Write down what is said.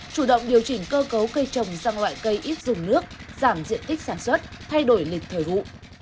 chủ động điều chỉnh cơ cấu cây trồng sang loại cây ít dùng nước giảm diện tích sản xuất thay đổi lịch thời vụ